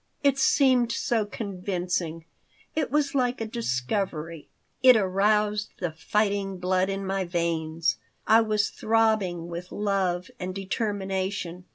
It seemed so convincing. It was like a discovery. It aroused the fighting blood in my veins. I was throbbing with love and determination.